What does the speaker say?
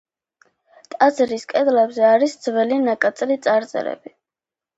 ტაძრის კედლებზე არის ძველი ნაკაწრი წარწერები.